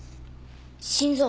心臓。